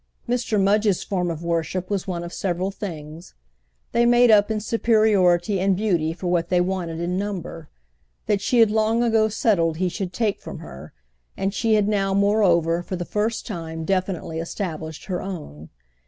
Mr. Mudge's form of worship was one of several things—they made up in superiority and beauty for what they wanted in number—that she had long ago settled he should take from her, and she had now moreover for the first time definitely established her own.